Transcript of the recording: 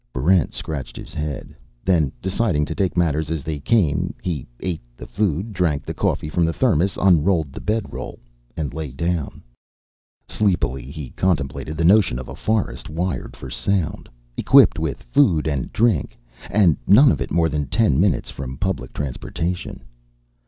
Barrent scratched his head; then, deciding to take matters as they came, he ate the food, drank coffee from the Thermos, unrolled the bedroll, and lay down. Sleepily he contemplated the notion of a forest wired for sound, equipped with food and drink, and none of it more than ten minutes from public transportation.